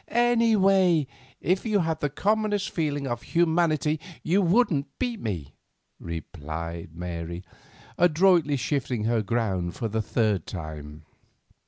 "Anyway, if you had the commonest feelings of humanity you wouldn't beat me," replied Mary, adroitly shifting her ground for the third time.